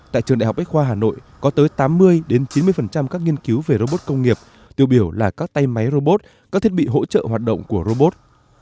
tại trường đại học bách khoa hà nội có tới tám mươi chín mươi các nghiên cứu về robot công nghiệp tiêu biểu là các tay máy robot các thiết bị hỗ trợ hoạt động của robot